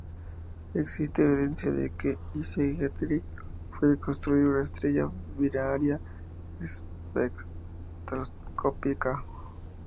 Existe evidencia de que Y Sagittarii puede constituir una estrella binaria espectroscópica.